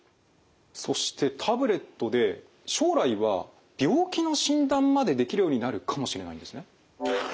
そしてタブレットで将来は病気の診断までできるようになるかもしれないんですね。